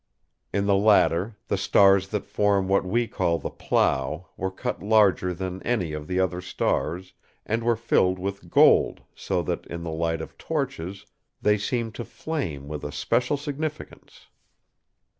In the latter the stars that form what we call the 'Plough' were cut larger than any of the other stars; and were filled with gold so that, in the light of torches, they seemed to flame with a special significance.